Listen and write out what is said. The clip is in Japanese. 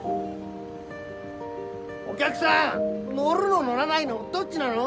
お客さん乗るの乗らないのどっちなの？